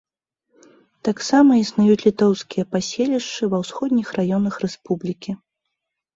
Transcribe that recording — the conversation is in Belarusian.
Таксама існуюць літоўскія паселішчы ва ўсходніх раёнах рэспублікі.